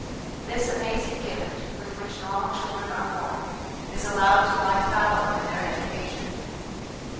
This amazing gift with which normal children are born is allowed to lie fallow in their education.